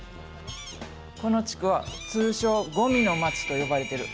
この地区は通称ゴミの町と呼ばれてる。